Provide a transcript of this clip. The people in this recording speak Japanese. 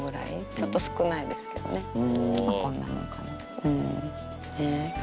ちょっと少ないですけどね、こんなもんかな。